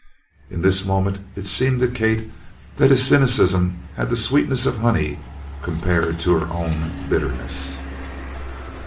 In this moment it seemed to Kate that his cynicism had the sweetness of honey compared to her own bitterness.